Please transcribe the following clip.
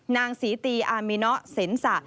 นางศรีตีอามิเนาะเซ็นสะ